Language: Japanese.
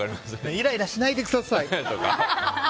イライラしないでくださいとか。